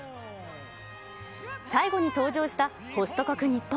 最後に登場したホスト国、日本。